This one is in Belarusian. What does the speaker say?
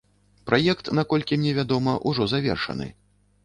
Праект, наколькі мне вядома, ужо завершаны.